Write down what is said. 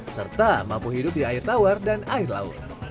serta mampu hidup di air tawar dan air laut